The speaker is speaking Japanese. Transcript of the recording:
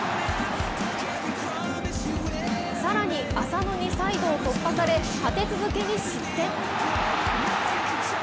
更に浅野にサイドを突破され立て続けに失点。